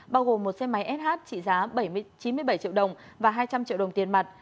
bao gồm một xe máy sh trị giá chín mươi bảy triệu đồng và hai trăm linh triệu đồng tiền mặt